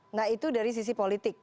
nah itu dari sisi politik